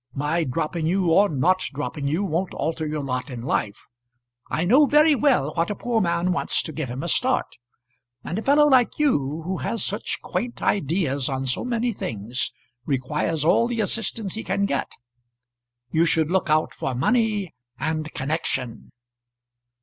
My dropping you or not dropping you won't alter your lot in life. I know very well what a poor man wants to give him a start; and a fellow like you who has such quaint ideas on so many things requires all the assistance he can get. You should look out for money and connection."